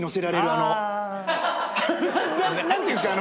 何ていうんですか？